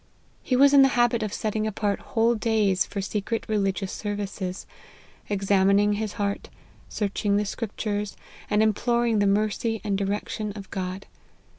He was in the habit of setting apart whole days for secret religious services, examining his heart, searching the scriptures, and imploring the mercy and direction of God.